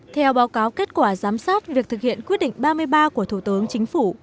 theo báo cáo kết quả giám sát việc thực hiện quyết định ba mươi ba của thủ tướng chính phủ